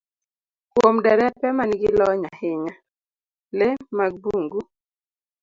Kuom derepe ma nigi lony ahinya, le mag bungu